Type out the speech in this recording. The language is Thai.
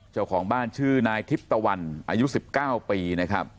เจ้าของบ้านชื่อนายทิพย์ตะวันอายุ๑๙ปีนะครับ